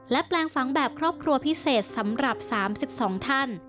และแปลงฝังแบบครอบครัวพิเศษสำหรับ๓๒ท่าน